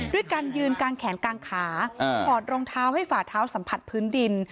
ด้วยการยืนกลางแขนกลางขาถอดรองเท้าให้ฝ่าเท้าสัมผัสพื้นดิน